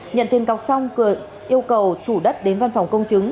nhận tiền cọc xong cường yêu cầu chủ đất đến văn phòng công chứng